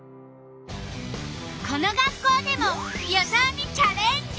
この学校でも予想にチャレンジ！